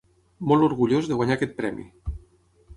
Molt orgullós de guanyar aquest premi.